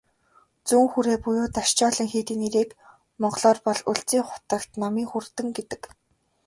Зүүн хүрээ буюу "Дашчойлин" хийдийн нэрийг монголоор бол "Өлзий хутагт номын хүрдэн" гэдэг.